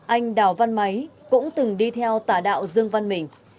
anh đào văn máy cũng từng đi theo tà đạo dương văn mình